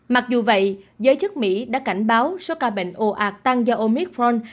mặc dù vậy giới chức mỹ đã cảnh báo sô ca bệnh ồ ạt tăng do omicron